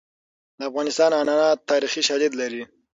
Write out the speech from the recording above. د افغانستان عنعنات تاریخي شالید لري.